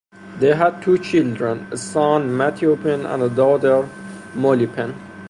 They had two children, a son, Matthew Penn and a daughter, Molly Penn.